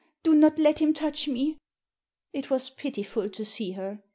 Do not let him touch me !" It was pitiful to see her.